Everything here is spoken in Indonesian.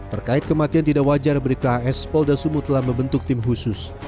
terkait kematian tidak wajar bribka as polda sumut telah membentuk tim khusus